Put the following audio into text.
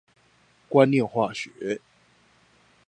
觀念化學